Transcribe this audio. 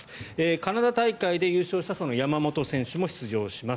カナダ大会で優勝した山本選手も出場します。